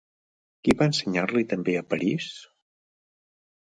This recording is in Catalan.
Qui va ensenyar-li també a París?